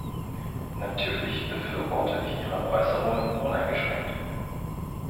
Natürlich befürworte ich ihre Äußerungen uneingeschränkt.